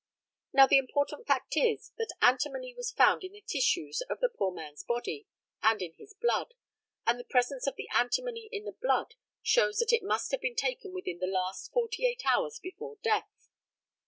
Now, the important fact is, that antimony was found in the tissues of the poor man's body, and in his blood; and the presence of the antimony in the blood shows that it must have been taken within the last forty eight hours before death.